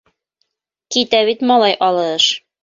Китә бит, малай, алыш!